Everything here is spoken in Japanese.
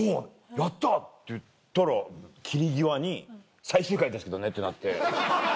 やった！って言ったら切り際に最終回ですけどねってなって。